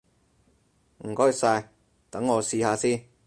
唔該晒，等我試下先！